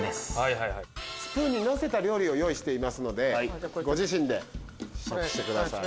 スプーンにのせた料理を用意していますのでご自身で試食してください。